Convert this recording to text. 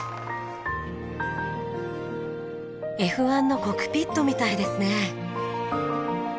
Ｆ１のコックピットみたいですね。